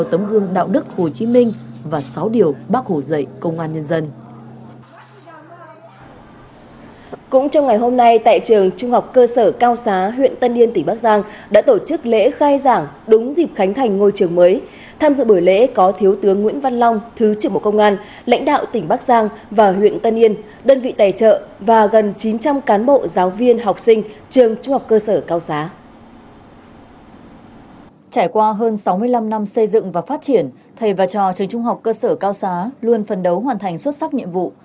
trải qua hơn sáu mươi năm năm xây dựng và phát triển thầy và trò trường trung học cơ sở cao xá luôn phần đấu hoàn thành xuất sắc nhiệm vụ